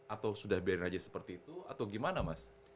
atau sudah biarin aja seperti itu atau gimana mas